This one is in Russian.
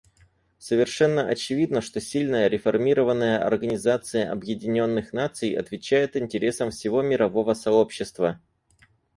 Совершенно очевидно, что сильная, реформированная Организация Объединенных Наций отвечает интересам всего мирового сообщества.